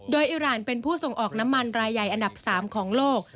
โดยอิราณเป็นผู้ส่งออกน้ำมันรายใหญ่อันดับ๓ของโลก